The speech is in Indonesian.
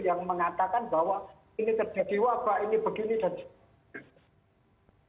yang mengatakan bahwa ini terjadi wabah ini begini dan sebagainya